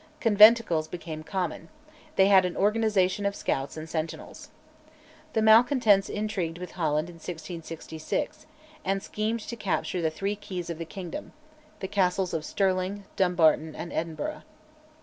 Conventicles became common; they had an organisation of scouts and sentinels. The malcontents intrigued with Holland in 1666, and schemed to capture the three Keys of the Kingdom the castles of Stirling, Dumbarton, and Edinburgh.